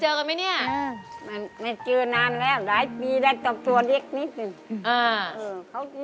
เจอเคยเจอกันไหมเนี่ยอืมมันเจอนานแล้วหลายปีแล้วจบตัวเล็กนิดนิดหนึ่ง